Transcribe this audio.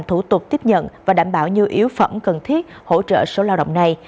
họ tiếp tục làm thủ tục tiếp nhận và đảm bảo nhiều yếu phẩm cần thiết hỗ trợ số lao động này